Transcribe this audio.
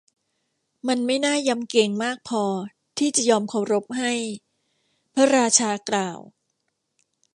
มันไม่น่ายำเกรงมากพอที่จะยอมเคารพให้ พระราชากล่าว